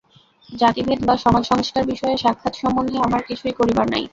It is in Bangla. জাতিভেদ বা সমাজসংস্কার-বিষয়ে সাক্ষাৎ সম্বন্ধে আমার কিছু করিবার নাই।